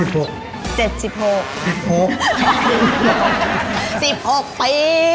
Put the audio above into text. ๑๖ปี